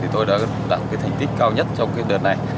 tôi đã đạt thành tích cao nhất trong đợt này